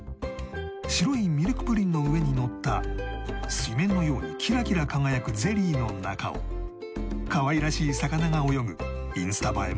白いミルクプリンの上にのった水面のようにキラキラ輝くゼリーの中をかわいらしい魚が泳ぐインスタ映え